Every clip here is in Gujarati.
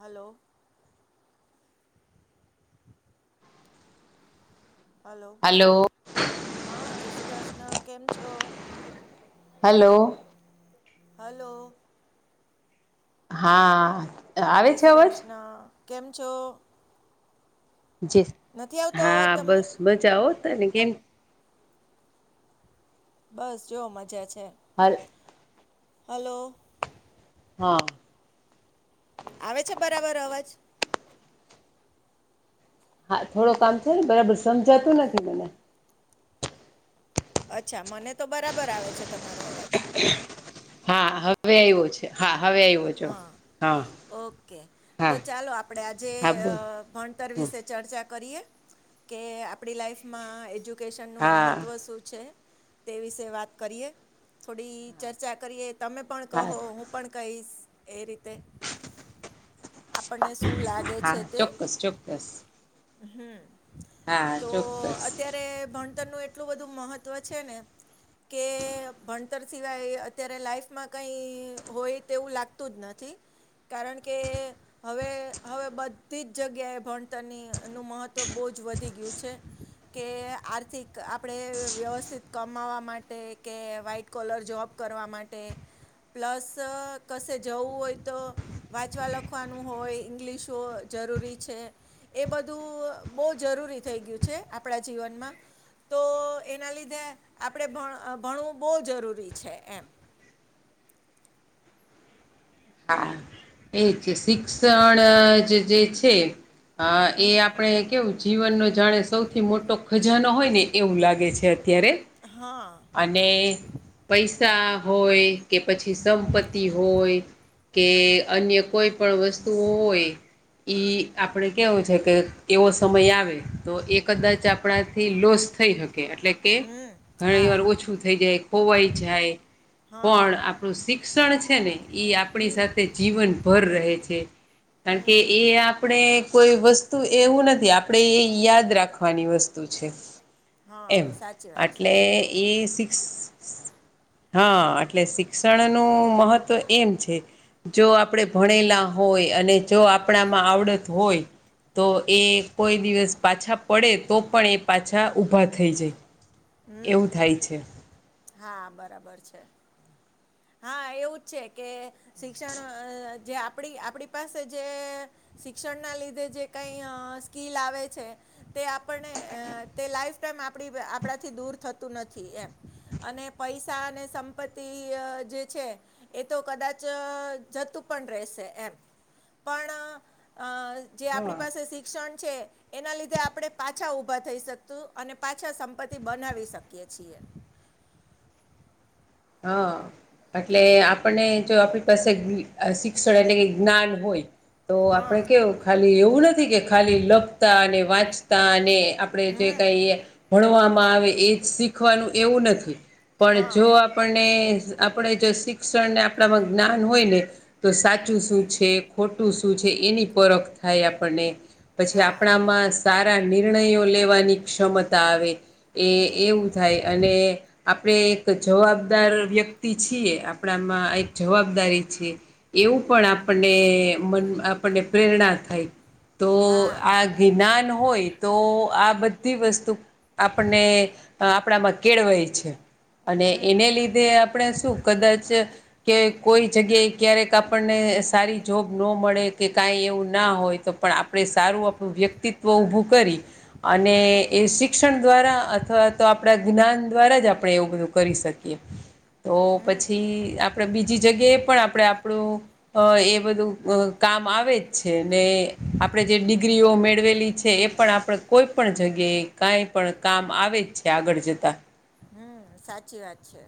હ હલો. [inaudible] હલો હા જય શ્રી કૃષ્ણ કેમ છો. હલો. હલો. હા. આવે જય છે શ્રી અવાજ કૃષ્ણ કેમ છો. જી નથી આવતો અવાજ હા તમને બસ મજા હોવ તને કેમ. બસ જો મજા છે. હાલ હલો. હા. આવે છે બરાબર અવાજ હા થોડો કામ છે ને બરાબર સમજાતું નથી મને અચ્છા મને તો બરાબર આવે છે તમારો અવાજ હા હવે આવ્યો છે હા હવે આવ્યો છો હા હા ઓકે તો હા ચાલો આપણેે આજે હા બોલ ભણતર અ વિશે ચર્ચા કરીએ કે આપણી લાઈફમાં એજુ કેશનનું હા મહત્ત્વ શું છે. તે વિશે વાત કરીએ થોડી ચર્ચા કરીએ તમે પણ કહો હા હું પણ કહીશ. એ રીતે આપણને શું લાગે હા છે તે ચોક્કસ ચોક્કસ. હમ હા તો ચોક્કસ અત્યારે એ ભણતર નું એટલું બધું મહત્વ છે ને. કે ભણતર સિવાય અત્યારે લાઈફમાં કઈ હોય તેવું લાગતું જ નથી. કારણ કે હવે હવે બધી જ જગ્યાએ ભણતરની એનું મહત્ત્વ બહુ જ વધી ગયું છે કે આર્થિક આપણે વ્યવસ્થિત કમાવા માટે કે વાઇટ કોલર જોબ કરવા માટે પ્લસ કશે જવું હોય તો વાંચવા લખવાનું હોય ઇંગ્લિશ હોય જરૂરી છે એ બધું બહુ જરૂરી થઈ ગયું છે આપણા જીવનમાં તો એના લીધે આપણે એ ભણ ભણવું બહુ જરૂરી છે એમ હા એ છે શિક્ષણ જ જે છે હ એ હમ આપણે કેવું જીવનનો જાણે સૌથી મોટો ખજાનો હોય ને એવું લાગે છે. ત્યારે હા અને પૈસા હોય કે પછી સંપત્તિ હોય કે અન્ય કોઈ પણ વસ્તુઓ હોય ઈ આપણે કહેવું છે કે એવો સમય આવે તો એ કદાચ આપ આપણાથી લોસ થઈ હકે એટલે કે હમ ઘણી હા વાર ઓછું થઈ જાય ખોવાય જાય હા પણ આપણું શિક્ષણ છે ને ઈ આપણી હમ સાથે જીવન ભર રહે છે કારણ કે હમ એ આપ પાડે કોઈ વસ્તુ એવું નથી આપડે એ યાદ રાખવાની વસ્તુ છે. હા એમ સાચી વાત છે આટલે એ સિક્સ હા આટલે શિક્ષણનું મહત્ત્વ એમ છે જો આપડે ભણેલા હોય અને જો આપડા માં આવડત હોય તો એ કોઈ દિવસ પાછા પડે તો પણ એ પાછા ઊભા થઈ જાય. એવું થાય છે. હા, બરાબર છે. હા એવું જ છે કે શિક્ષણ અહ જે આપડી આપડી પાસે જે શિક્ષણ ના લીધે જે કઈ અહ સ્કીલ આવે છે તે આપણને એ તે લાઈફ તેમ આપડી આપડા થી દૂર થતું નથી એમ. અને પૈસા અને સંપત્તિ અહ જે છે એ તો કદાચ અહ જતું પણ રહેશે એમ. પણ અહ અહ જે આપડી હા પાસે શિક્ષણ છે એના લીધે આપડે પાછા ઊભા થઈ શકતું અને પાછા સંપત્તિ બનાવી શકીયએ છીએ. હ. એટલે આપણને જો આપડી પાસે અહ શિક્ષણ એટલે કે જ્ઞાન હોય તો હા આપડે કેવું ખાલી એવું નથી કે ખાલી લખતા ને વાંચતા ને આપડે જે હમ કઈ ભણવામાં આવે એ જ શીખવાનું એવુ નથી પણ હા જો આપ પનને આપડે જો શિક્ષણને આપડામાં જ્ઞાન હોય ને તો સાચું શું છે ખોટું શું છે એની પરખ થાય આપણને. પછી હા આપડામાં સારા નિર્ણયો લેવાની ક્ષમતા આવે. એ હમ એવું થાય અને આપડે એક જવાબ દાર વ્યક્તિ છીએ આપડામાં એક જવાબદારી છે. એવું પણ આપણને મન આપણને પ્રેરણા થાય તો હા આ જે જ્ઞાન તો આ બધી વસ્તુ આપડને આપડામાં કેળવાય છે અને હમ એને લીધે આપડે શું કદાચ કે કોઈ જગ્યાએ ક્યારેક આપણને સારી જોબ નો મળે કે કાઈ એવું ના હોય તો પણ આપ ડે સારું આપડું વ્યક્તિત્વ ઊભું કરી અને એ શિક્ષણ દ્વારા અથવા તો આપડા જ્ઞાન દ્વારા જ આપડે એવું બધું કરી શકીએ. તો પછી આપડે બીજી જગ્યાએ પણ આપડે આપડું અહ એ બધું અહ કામ આવે જ છે ને આપડે જે ડિગ્રીઓ મેળવેલી છે એ પણ આપડે કોઈ પણ જગ્યાએ કઈ પણ કામ આવે જ છે આગળ જતા. હમ્મ, સાચી વાત છે.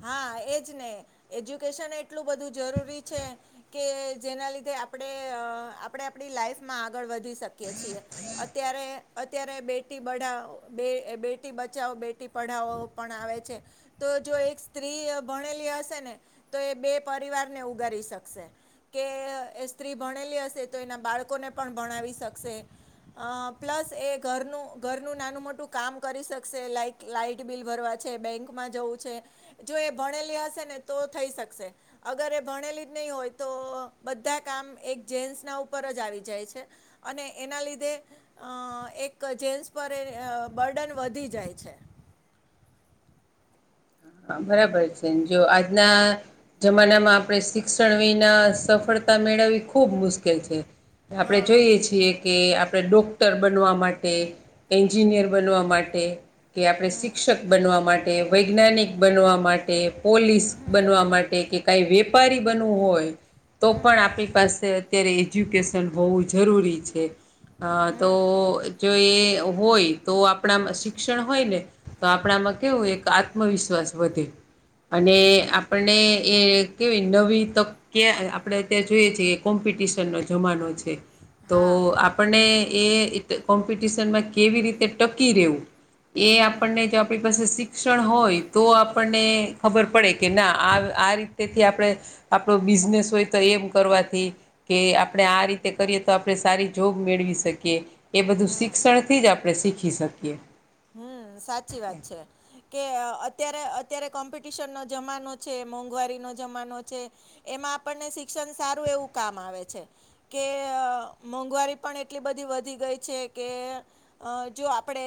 હા, એજ ને એજ્યુકેશન એટલું બધું જરૂરી છે કે જેના લીધે આપડે અહ આપડે આપડી લાઈફ માં આગળ વધ ધી શકી છીએ. અત્યારે અત્યારે બેટી બઢાવ બે બેટી બચાઓ બે ટી પઢાવઓ પણ આવે છે તો જો એક સ્ત્રી ભણેલી હશે ને તો એ બે પરિવારને ઉગારી શકશે. કે એ સ્ત્રી ભણેલી હશે તો એના બાળકોને પણ ભણાવી શકશે. અહ પ્લસ એ ઘરનું ઘરનું નાનું મોટું કામ કરી શકશે લાઈક લાઈટ બિલ ભરવા છે બેંકમાં જવું છે જો એ ભણેલી હશે ને તો થઈ શકશે. અગર એ ભણેલી જ નહી હોય તો બધા કામ એક જેન્સ ના ઉપર જ આવી જાય છે. અને એના લીધે અ એક જેન્સ પર એ બર્ડન વધી જાય છે. હા બરાબર છે જો આજના જમાના માં આપણેે શી ક્ષણ વિના સફળતા મેળવવી ખૂબ મુશ્કેલ છે, આપડે હા જોઈએ છીએ કે આપણે ડોક્ટર બનવા માટે, એન્જિનિયર બનવા માટે કે આપણે શિક્ષક બનવા માટે, વૈજ્ઞાનિક બનવા માટે, પોલીસ બનવા ટે કે કઈ વેપારી બનવું હોય તો પણ આપણી પાસે અત્યારે એજ્યુકેશન હોવું જરૂરી છે. અ તો જો એ હોય તો આપણા શિક્ષણ હોય ને તો આપણામાં કેવું એક આત્મવિશ્વાસ વધે. અને આપણને એ કેવીય નવી તક કે આપડે અત્યારે જોઈએ છીએ કે કોમ્પિટિશન નો જમાનો છે તો હા આ આપણને કેવી રીતે ટકી રહેવું એ હમ આપણને જો આપણી પાસે શિક્ષણ હોય તો આપણને ખબર પડે કે ના આ આ રીતેથી આપણે આપણો બિઝનેસ હોય તો એમ કરવાથી કે આપડે આ રીતે કરીએ તો આપણે સારી જોબ મેળવી શકીએ. એ બધું શિક્ષણથી જ આપણે શીખી શકીએ. હમ્મ, સાચી વાત છે. કે અત્યારે અત્યારે કોમ્પિટિશન નો જમાનો છે, મોંઘવારીનો જમાનો છે એમાં આપણને શિક્ષણ સારું એવું કામ આવે છે. કે મોંઘવારી પણ એટલી બધી વધી ગઈ છે કે અ જો આપડે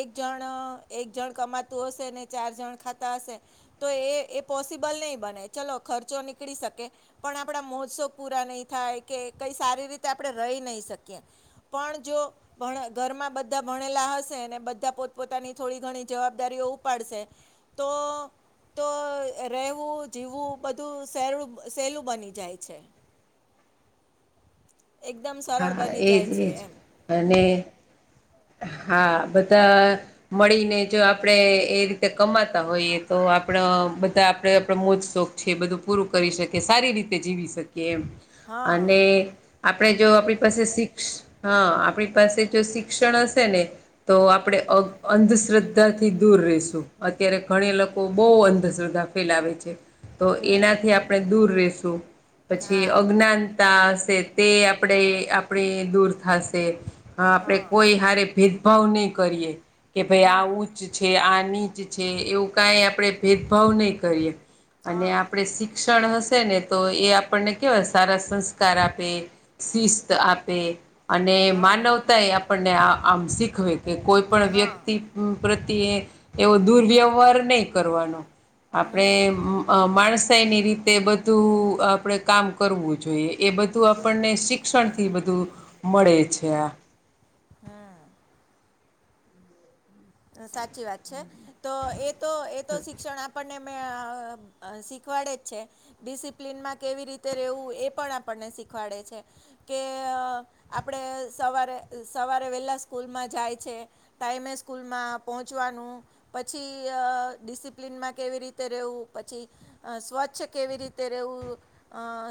એક જણ એક જણ કમાતું હશે ને ચાર જણ ખાતા હશે. તો એ એ પોસિબલ નહીં બને ચલો ખર્ચો નીકળી શકે. પણ આપણા મહોત્સવ પૂરા નહીં થાય કે કઈ સારી રીતે આપણે રહી નહી શકીએ. પણ જો ભ ઘરમાં બધા ભણેલા હશે ને બ ત્યા પોતપોતાની થોડી ઘણી જવાબદારીઓ ઉપાડશે તો તો રહેવું, જીવવું બધું સહે સહેલું બની જાય છે. એકદમ સરળ હા બની એજ જાય છે એજ એમ. અને હા બધા મળીને જો આપડે એ રીતે કમાતા હોઈએ તો આપડ બધા આપડ મોજ શોખ છે બધું પૂરું કરી શકી સારી રીતે જીવી શકીએ એમ હા અને આપણે જો આપણી પાસે શિક્ હા આપણી પાસે જો શિક્ષણ હશે ને તો આપણે અ અંધશ્રદ્ધાથી દૂર રઈશું અત્યારે ઘણી લોકો બહુ અંધશ્રદ્ધા ફેલાવે છે. તો હમ એનાથી આપણે દૂર રેશું પછી હા અજ્ઞાનતા હશે તે આપણે આપણે દૂર થાશે આપણે હા કોઈ હારે ભે ભાવ ની કરીએ કે ભાઈ હમ આ ઉચ્ચ છે, આ નીચ છે, એવું કાઈ આપણે ભેદભાવ નહીં કરીએ અને હા આપણે શી ક્ષણ હશે ને તો એ આપણને કેવાય સારા સંસ્કાર આપે શિસ્ત આપે અને હા માનવતા એ આપણને આ આમ શીખવે કે કોઈ પણ હા વ્યક્તિ પ્રત્યે એવો દુરવ્યવહાર નહી કરવાનો. આપણે માણસાઈની રીતે બધું આપડે કામ કરવું. જોઈએ, એ બધું આપણને શિક્ષણથી બધું મળે છે આ. હમ્મ. સાચી વાત છે, તો એ તો એ તો શિક્ષણ આપ આપણને શીખવાડે જ છે. ડિસિપ્લિનમાં કેવી રેવું એ પણ શીખવાડે છે. કે આપણે સવારે-સવારે વહેલા સ્કૂલમાં જાય છે. ટાઈમ સ્કુ લમાં પહોંચવાનું, પછી ડિસિપ્લિનમાં કેવી રીતે રહેવું, પછી સ્વચ્છ કેવી રીતે રહેવું,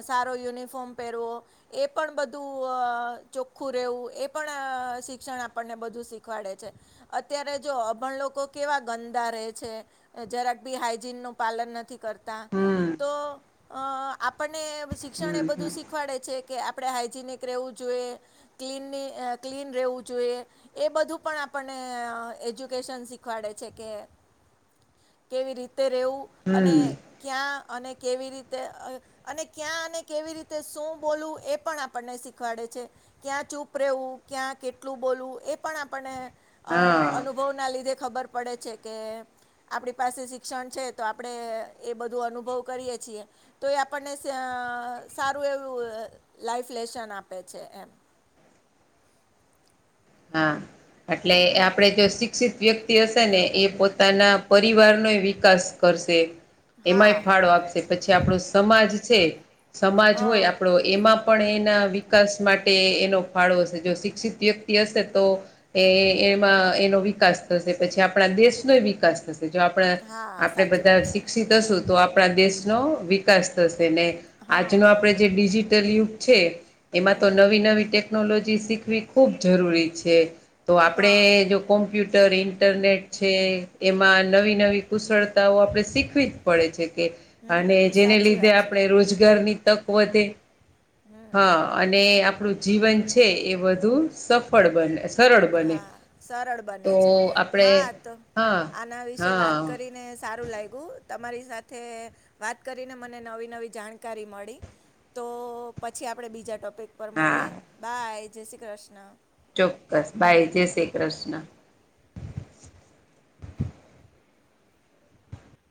સારો યુનિફોર્મ પહેરવો. એ પણ બધું ચોખ્ખું રહેવું, એ પણ શિક્ષણ આપણને બધું શીખવાડે છે. અત્યારે જો અભણ લોકો કેવા ગંદા રહે છે. જરાક ભી હાઈજીનનું પાલન નથી કર. તા હમ તો આપણને શિક્ષણ એ બધું શી ખવાડે છે કે, આપણે હાઈજીનિક રહેવું જોઈએ. ક્લીનની ક્લીન રહેવું જોઈએ, એ બધું પણ આપણને ને એજ્યુકેશન શીખવાડે છે કે, કેવી રીતે રહેવું. અને હમ ક્યાં અને કેવી રીતે? અને ક્યાં અને કેવી રીતે શું બોલવું? એ પણ આપણને શીખવાડે છે. ક્યાં ચૂપ રહેેવું? ક્યાં કેટલું બોલવું? એ પણ આપણને હા અનુ ભવના લીધે ખબર પડે છે કે આપણી પાસે શિક્ષણ છે, તો આપણે એ બધું અનુભવ કરીએ છીએ. તો એ આપણને સારું એવું લાઈફ લેશન આપે છે એમ. હા એટલે હમ આપણેે જો શિક્ષિત વ્યક્તિ હ, ને એ પોતાના પરિવારનો વિકાસ કરશે, એમાંય હા ફાળો આપશે. પછી આપણો સમાજ છે, સમાજ હા હોય આપણો. એમાં પણ એના વિકાસ માટે એનો ફાળો હશે, જો શિક્ષિત હશે તો. એ એમાં એનો વિકાસ થશે, પછી આપણા દેશનો વિકાસ થશે. જો આપણા હા આપણે સાચી બધા વાત છે શિક્ષિત હશું, તો આપણા દેશનો વિકાસ થશે ને. હા આજનો આપણેે જે ડિજિટલ યુગ છે, એમાં તો હમ નવી-નવી ટેક નોલોજી શીખવી ખૂબ જરૂરી છે, તો હા આપણે જો કોમ્પ્યુટર, ઇન્ટરનેટ છે, એમાં નવી-નવી કુશળતાઓ આપડે શીખવી જ. પડે છે કે, અને હમ જેને સાચી લીધે વાત છે આપણે રોજગારની તક વધે. હમ હા, અને આપણું જીવન છે, એ વધુ સફળ બને. સરળ બને હા, સરળ બને તો છે, આપણે હા તો. હા આના વિશે હા કરીને સારું લાગ્યું. તમારી સાથે વાત કરીને, મને નવી-નવી જાણકારી મળી. તો પછી આપણેે બીજા ટોપિક પર હા મળીએ, બાય જય શ્રી કૃષ્ણ. ચોક્કસ બાય, જય શ્રી કૃષ્ણ.